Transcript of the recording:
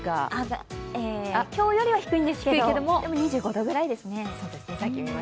今日よりは低いんですけど２５度ぐらいですね。